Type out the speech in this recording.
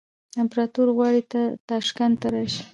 امپراطور غواړي ته تاشکند ته راشې.